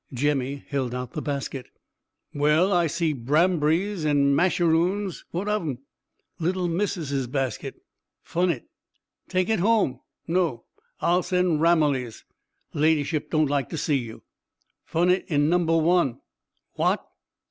Jemmy held out the basket. "Well, I see brambrys and masheroons. What of 'em?" "Little missus's basket. Fun' it." "Take it home. No I'll send Ramillies. Ladyship don't like to see you." "Fun' it in number one!" "What!"